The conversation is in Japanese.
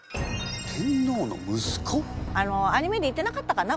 アニメで言ってなかったかな？